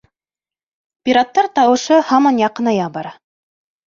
Пираттар тауышы һаман яҡыная бара.